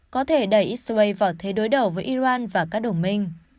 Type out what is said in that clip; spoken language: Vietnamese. có thể đẩy israel vào thế đối đầu với iran và các đồng minh